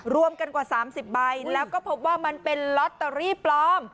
รวมกันกว่า๓๐ใบแล้วก็พบว่ามันเป็นลอตเตอรี่ปลอม